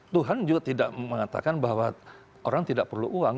tuhan juga tidak mengatakan bahwa orang tidak perlu uang